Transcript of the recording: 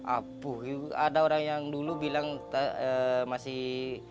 apu ada orang yang dulu bilang masih